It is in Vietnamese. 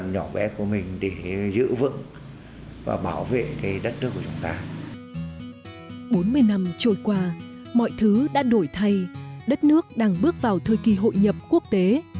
bốn mươi năm trôi qua mọi thứ đã đổi thay đất nước đang bước vào thời kỳ hội nhập quốc tế